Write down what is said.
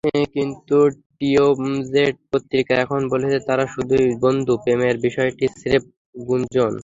কিন্তু টিএমজেড পত্রিকা এখন বলছে, তাঁরা শুধুই বন্ধু, প্রেমের বিষয়টি স্রেফ গুঞ্জন।